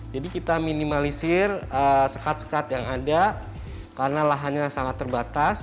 jadi kita minimalisir sekat sekat yang ada karena lahannya sangat terbatas